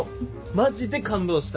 マジで感動した！